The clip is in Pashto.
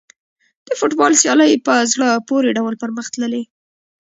د فوټبال سیالۍ په زړه پورې ډول پرمخ تللې.